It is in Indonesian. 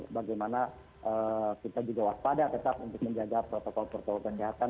sebagaimana kita juga waspada tetap untuk menjaga protokol protokol kesehatan